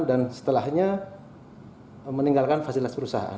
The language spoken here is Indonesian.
dan setelahnya meninggalkan fasilitas perusahaan